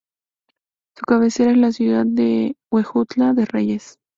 Su cabecera es la ciudad de Huejutla de Reyes.